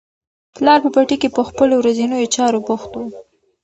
پلار په پټي کې په خپلو ورځنیو چارو بوخت و.